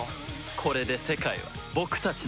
これで世界は僕たちのものか。